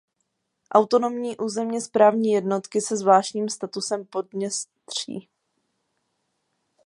Autonomní územně správní jednotky se zvláštním statusem Podněstří.